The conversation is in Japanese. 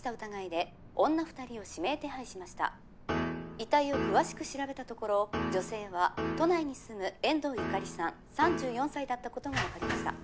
遺体を詳しく調べたところ女性は都内に住む遠藤ユカリさん３４歳だった事がわかりました。